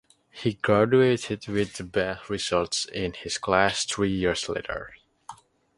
He graduated with the best results in his class three years later.